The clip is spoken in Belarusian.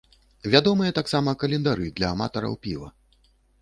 Вядомыя таксама календары для аматараў піва.